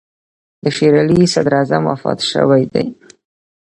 د شېر علي صدراعظم وفات شوی دی.